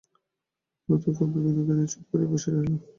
রুদ্ধ ক্ষোভে বিনোদিনী চুপ করিয়া বসিয়া রহিল।